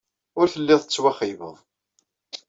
Ur telliḍ tettwaxeyybeḍ.